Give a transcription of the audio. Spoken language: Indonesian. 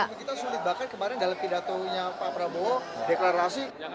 kita sulit bahkan kemarin dalam pidatunya pak prabowo deklarasi